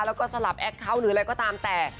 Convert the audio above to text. แล้วก็สลับแอคเคาน์หรืออะไรก็ตามแต่